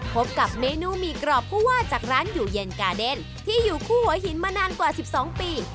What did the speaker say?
พบกับเมนูหมี่กรอบผู้ว่าจากร้านอยู่เย็นกาเดนที่อยู่คู่หัวหินมานานกว่า๑๒ปี